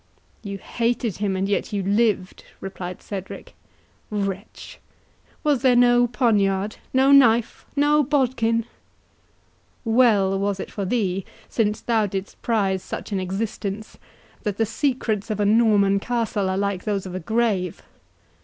"You hated him, and yet you lived," replied Cedric; "wretch! was there no poniard—no knife—no bodkin!—Well was it for thee, since thou didst prize such an existence, that the secrets of a Norman castle are like those of the grave.